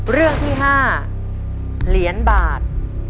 เรื่องที่๕เหรียญบาท